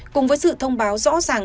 cùng với sự thông báo rõ ràng